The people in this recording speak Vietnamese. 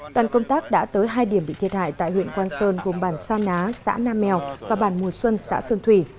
đoàn công tác đã tới hai điểm bị thiệt hại tại huyện quang sơn gồm bản sa ná xã nam mèo và bản mùa xuân xã sơn thủy